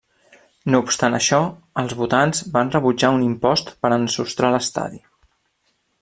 No obstant això, els votants van rebutjar un impost per ensostrar l'estadi.